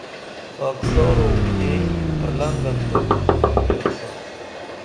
خاکسارو یئیں پلنگن درو دنیا ساں